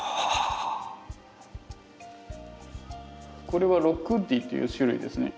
これはロックウッディっていう種類ですね。